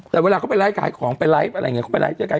แต่เวลาเขาไปไลฟ์กายของไปไลฟ์อะไรอย่างนี้